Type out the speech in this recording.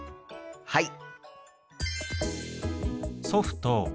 はい！